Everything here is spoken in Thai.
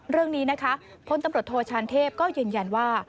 เรื่องนี้นะคะพลตำรวจโทชานเทพก็ยืนยันว่า